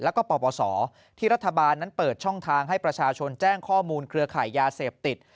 แล้วก็ปปศที่รัฐบาลนั้นเปิดช่องทางให้ประชาชนแจ้งข้อมูลเครือข่ายยาเสพติด